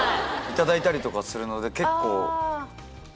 頂いたりとかするので結構。